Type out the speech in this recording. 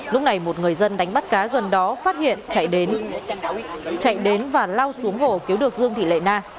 lúc này một người dân đánh bắt cá gần đó phát hiện chạy đến và lau xuống hồ cứu được dương thị lệ na